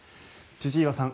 千々岩さん。